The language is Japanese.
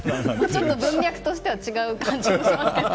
ちょっと文脈としては違う感じもしますけど。